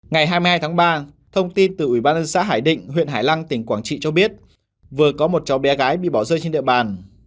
ngày hai mươi hai tháng ba thông tin từ ủy ban dân xã hải định huyện hải lăng tỉnh quảng trị cho biết vừa có một cháu bé gái bị bỏ rơi trên địa bàn